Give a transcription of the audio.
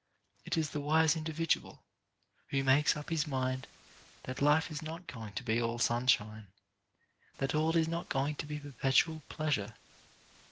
It is the wise individual who makes up his mind that life is not going to be all sunshine, that all is not going to be perpetual pleasure.